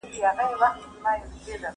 د ذمي ژوند د مسلمان د ژوند په څېر دی.